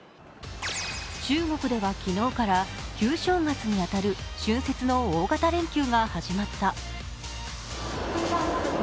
中国では昨日から旧正月に当たる春節の大型連休が始まった。